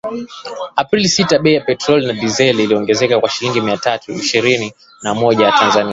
Aprili sita bei ya petroli na dizeli iliongezeka kwa shilingi mia tatu ishirini na moja za Tanzania